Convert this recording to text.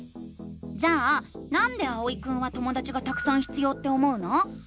じゃあ「なんで」あおいくんはともだちがたくさん必要って思うの？